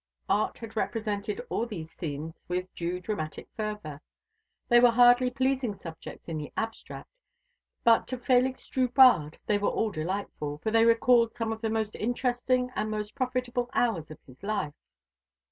Art had represented all these scenes with due dramatic fervour. They were hardly pleasing subjects in the abstract; but to Félix Drubarde they were all delightful; for they recalled some of the most interesting and most profitable hours of his life.